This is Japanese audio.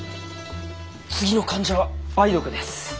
次の患者は梅毒です。